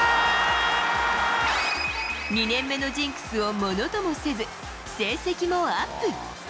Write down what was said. ２年目のジンクスをものともせず成績もアップ。